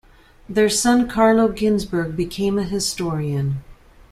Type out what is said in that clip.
Their son Carlo Ginzburg became a historian.